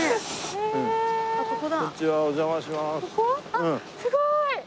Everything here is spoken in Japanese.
あっすごーい！